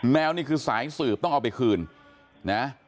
แมวนี่คือสายสืบต้องเอาไปคืนนะ